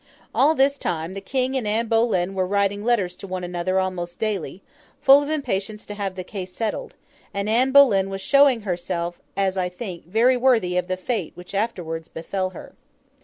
All this time, the King and Anne Boleyn were writing letters to one another almost daily, full of impatience to have the case settled; and Anne Boleyn was showing herself (as I think) very worthy of the fate which afterwards befel her.